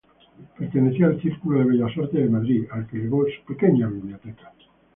Pertenecía al Círculo de Bellas Artes de Madrid, al que legó su pequeña biblioteca.